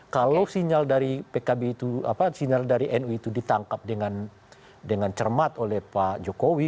kalau sinyal dari pkb itu apa sinyal dari nu itu ditangkap dengan cermat oleh pak jokowi